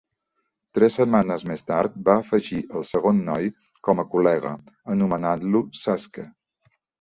Tres setmanes més tard va afegir el segon noi com a col·lega, anomenant-lo "Suske".